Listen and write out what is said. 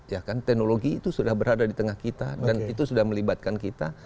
ya kan teknologi itu sudah berada di tengah kita dan itu sudah melibatkan kita